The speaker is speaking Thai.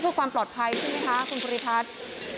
เพื่อความปลอดภัยใช่ไหมคะคุณภูริพัฒน์